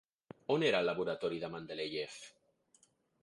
On era el laboratori de Mendeléiev?